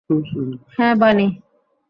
হ্যাঁ, বানি।